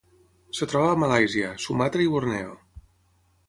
Es troba a Malàisia, Sumatra i Borneo.